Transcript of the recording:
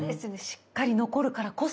しっかり残るからこそ。